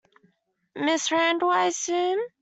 Ms Randall, I assume?